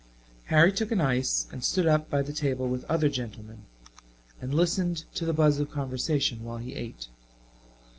Harry took an ice and stood up by the table with other gentlemen, and listened to the buzz of conversation while he ate.